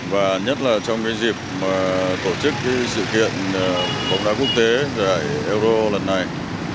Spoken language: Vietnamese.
và nhất là trong cái dịp tổ chức sự kiện bóng đá quốc tế giải euro lần này